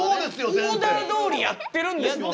オーダーどおりやってるんですもんね。